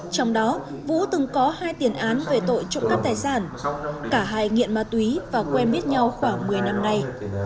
trong đó vũ từng có hai tiền án về tội trộm cắp tài sản cả hai nghiện ma túy và quen biết nhau khoảng một mươi năm nay